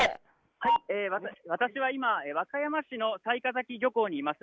私は今、和歌山市の雑賀崎漁港にいます。